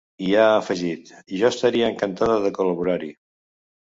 I ha afegit: Jo estaria encantada de col·laborar-hi.